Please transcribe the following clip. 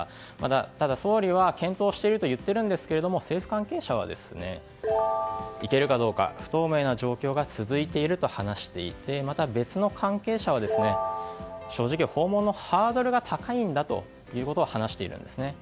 ただ、総理は検討していると言っているんですが政府関係者は、行けるかどうか不透明な状況が続いていると話していてまた別の関係者は正直、訪問のハードルが高いんだということを話しているんですね。